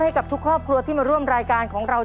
ให้กับทุกครอบครัวที่มาร่วมรายการของเรา